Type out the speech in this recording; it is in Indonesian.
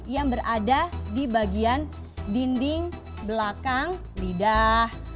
yang berada di bagian dinding belakang lidah